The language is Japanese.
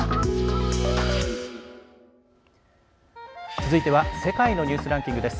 続いては「世界のニュースランキング」です。